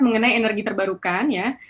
mengenai energi terbarukan ya